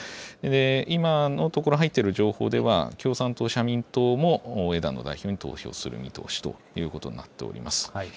今のところ、入っている情報では、共産党、社民党も枝野代表に投票する見通しとなっております。